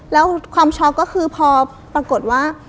แล้วความช็อกก็คือพอปรากฏว่า